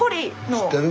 知ってる？